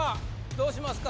どうしますか？